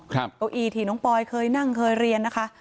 เก้าอี้ที่น้องปอยเคยนั่งเคยเรียนนะคะ